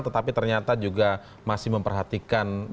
tetapi ternyata juga masyarakat indonesia tidak bisa menanggung